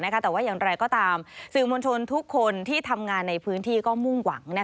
แต่ว่าอย่างไรก็ตามสื่อมวลชนทุกคนที่ทำงานในพื้นที่ก็มุ่งหวัง